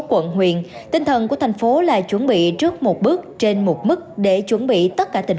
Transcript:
quận huyền tinh thần của tp hcm là chuẩn bị trước một bước trên một mức để chuẩn bị tất cả tình